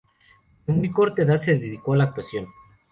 Desde muy corta edad se dedicó a la actuación.